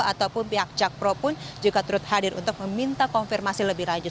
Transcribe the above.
ataupun pihak jakpro pun juga turut hadir untuk meminta konfirmasi lebih lanjut